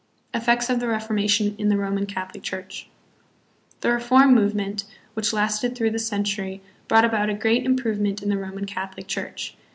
Effects of the Reformation in the Roman Catholic Church. The reform movement, which lasted through the century, brought about a great improvement in the Roman Catholic Church.